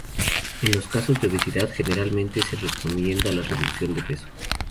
En los casos de obesidad, generalmente se recomienda la reducción de peso.